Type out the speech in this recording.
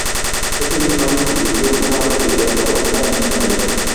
Ese mismo año escribió una obra de teatro basada en dicha novela.